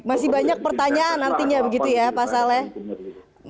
masih banyak pertanyaan nantinya begitu ya pasalnya